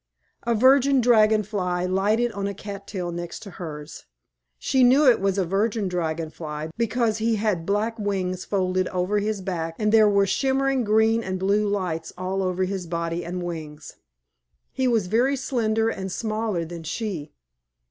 A Virgin Dragon Fly lighted on the cat tail next to hers. She knew it was a Virgin Dragon Fly because he had black wings folded over his back, and there were shimmering green and blue lights all over his body and wings. He was very slender and smaller than she.